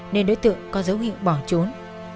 nên đối tượng có dấu hiệu bỏ trốn